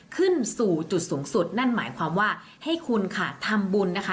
ขึ้นสู่จุดสูงสุดนั่นหมายความว่าให้คุณค่ะทำบุญนะคะ